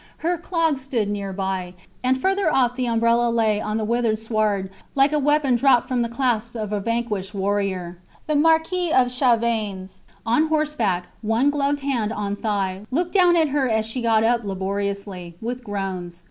Her clogs stood near by, and further off the umbrella lay on the withered sward like a weapon dropped from the grasp of a vanquished warrior. The Marquis of Chavanes, on horseback, one gloved hand on thigh, looked down at her as she got up laboriously, with groans.